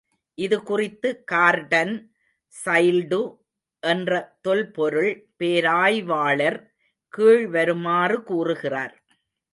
இது குறித்து Gordon Childe என்ற தொல்பொருள் பேராய்வாளர் கீழ்வருமாறு கூறுகிறார்.